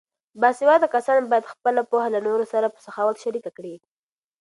باسواده کسان باید خپله پوهه له نورو سره په سخاوت شریکه کړي.